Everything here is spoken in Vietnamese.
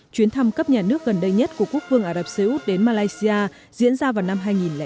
chuyến thăm cấp nhà nước gần đây nhất của quốc vương ả rập xê út đến malaysia diễn ra vào năm hai nghìn chín